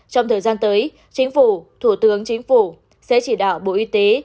trong thời gian tới chính phủ thủ tướng chính phủ sẽ chỉ đạo bộ y tế